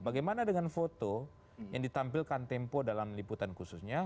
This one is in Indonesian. bagaimana dengan foto yang ditampilkan tempo dalam liputan khususnya